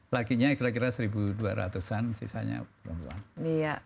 lakinya kira kira seribu dua ratus an sisanya perempuan